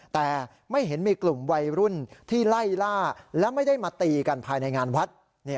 แต่ไม่เห็นมีกลุ่มวัยรุ่นที่ไล่ล่าและไม่ได้มาตีกันภายในงานวัด